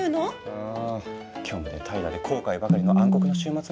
あぁ虚無で怠惰で後悔ばかりの暗黒の週末のことですね？